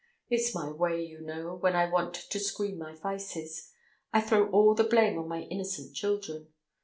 It's my way, you know, when I want to screen my vices I throw all the blame on my innocent children.